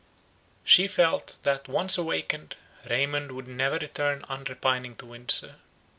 She felt, that, once awakened, Raymond would never return unrepining to Windsor.